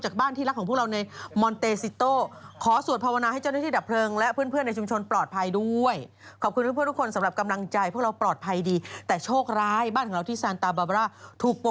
หวังว่าจะไม่ถูกไฟไหม้มันน่าตกใจมาก